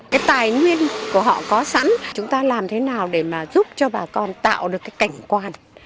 cái tài nguyên của họ có sẵn chúng ta làm thế nào để mà giúp cho bà con tạo được cái cảnh quan